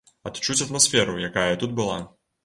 Адчуць атмасферу, якая тут была.